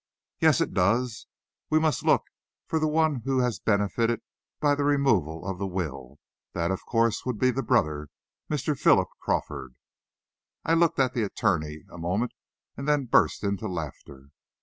"Yes, it does. We must look for the one who has benefited by the removal of the will. That, of course, would be the brother, Mr. Philip Crawford." I looked at the attorney a moment, and then burst into laughter.